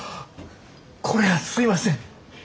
こりゃすいません。